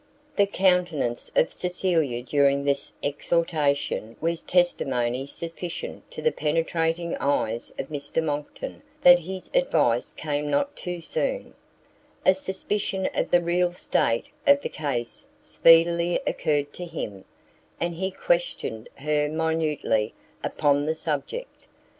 The countenance of Cecilia during this exhortation was testimony sufficient to the penetrating eyes of Mr Monckton that his advice came not too soon: a suspicion of the real state of the case speedily occurred to him, and he questioned her minutely upon the subject.